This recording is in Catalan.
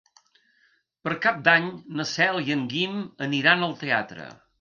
Per Cap d'Any na Cel i en Guim aniran al teatre.